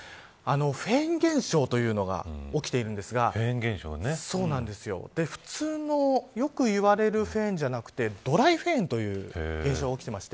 フェーン現象というのが起きているんですが普通のよく言われるフェーンではなくてドライフェーンという現象が起きています。